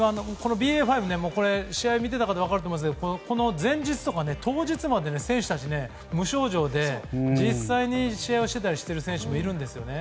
ＢＡ．５は試合を見ていた方も分かると思いますが当日まで選手たちは無症状で実際に試合をしてたりする選手もいるんですね。